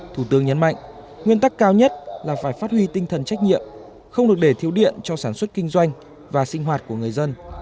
thủ tướng nhấn mạnh nguyên tắc cao nhất là phải phát huy tinh thần trách nhiệm không được để thiếu điện cho sản xuất kinh doanh và sinh hoạt của người dân